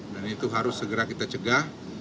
dan itu harus segera kita cegah